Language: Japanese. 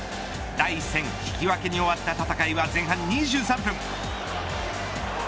第１戦引き分けに終わった戦いは前半２３分